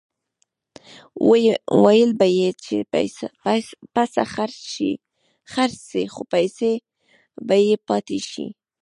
ویل به یې چې پسه خرڅ شي خو پیسې به یې پاتې شي.